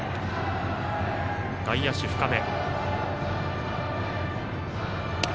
外野手、深め。